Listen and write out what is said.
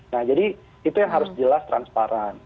nah jadi itu yang harus jelas transparan